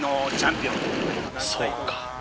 そうか。